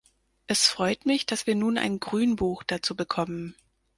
Es freut mich, dass wir nun ein Grünbuch dazu bekommen.